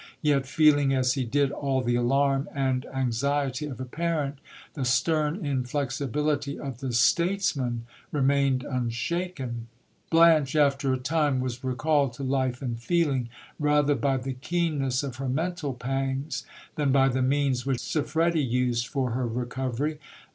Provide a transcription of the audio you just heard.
Yet, feeling as he did all the alarm and anxiety of a parent, the stern inflexibility of the statesman re mained unshaken. Blanche, after a time, was recalled to life and feeling, rather by the keenness of her mental pangs than by the means which Siffredi used for her recovery.